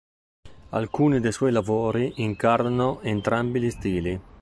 Alcuni dei suoi lavori incarnano entrambi gli stili.